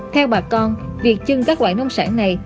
theo bà con việc chưng các loại nông sản này